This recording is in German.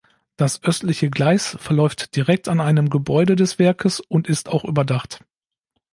Das östlichste Gleis verläuft direkt an einem Gebäude des Werkes und ist auch überdacht.